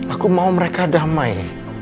aku mau mereka damai